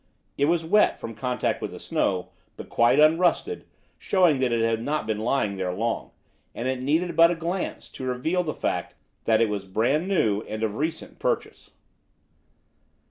It was wet from contact with the snow, but quite unrusted, showing that it had not been lying there long, and it needed but a glance to reveal the fact that it was brand new and of recent purchase.